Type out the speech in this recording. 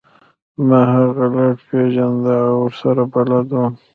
ما هغه لږ پیژنده او ورسره بلد وم